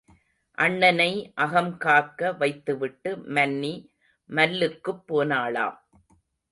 அண்ணனை அகம் காக்க வைத்துவிட்டு மன்னி மல்லுக்குப் போனாளாம்.